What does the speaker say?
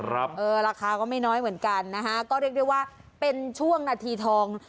เออราคาก็ไม่น้อยเหมือนกันนะฮะก็เรียกได้ว่าเป็นช่วงนาทีทอง